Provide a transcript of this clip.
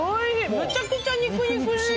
むちゃくちゃ肉肉しい。